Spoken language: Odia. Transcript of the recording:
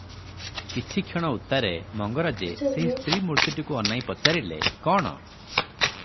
କିଛିକ୍ଷଣ ଉତ୍ତାରେ ମଙ୍ଗରାଜେ ସେହି ସ୍ତ୍ରୀ ମୂର୍ତ୍ତିଟିକୁ ଅନାଇ ପଚାରିଲେ, "କ'ଣ?"